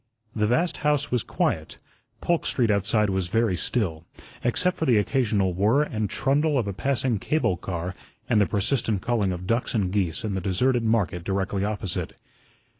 The vast house was quiet; Polk Street outside was very still, except for the occasional whirr and trundle of a passing cable car and the persistent calling of ducks and geese in the deserted market directly opposite.